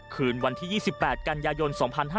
คืนวันที่๒๘กันยายน๒๕๕๙